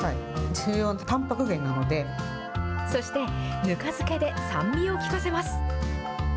そしてぬか漬けで酸味を効かせます。